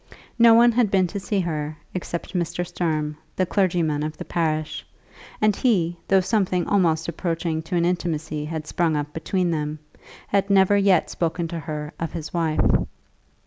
No one had been to see her, except Mr. Sturm, the clergyman of the parish; and he, though something almost approaching to an intimacy had sprung up between them, had never yet spoken to her of his wife.